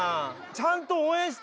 ちゃんと応援して。